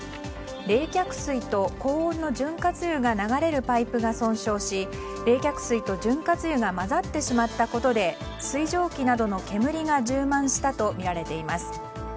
冷却水と、高温の潤滑油が流れるパイプが損傷し冷却水と潤滑油が混ざってしまったことで水蒸気などの煙が充満したとみられています。